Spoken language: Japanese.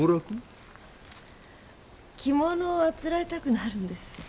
着物を誂えたくなるんです。